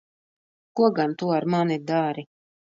Ko gan tu ar mani dari?